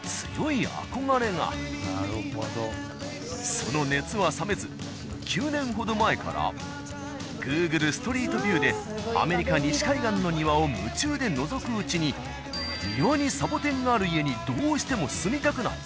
その熱は冷めず９年ほど前からＧｏｏｇｌｅストリートビューでアメリカ西海岸の庭を夢中でのぞくうちに庭にサボテンがある家にどうしても住みたくなった。